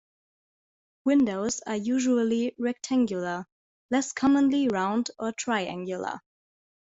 Windows are usually rectangular, less commonly round or triangular.